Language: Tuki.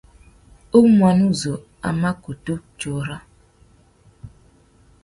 Umuênê zu a mà kutu tsôra.